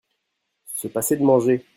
Se passer de manger.